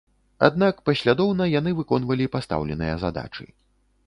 Аднак паслядоўна яны выконвалі пастаўленыя задачы.